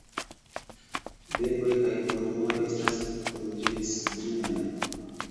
Bekoj kaj kruroj estas ruĝecbrunaj.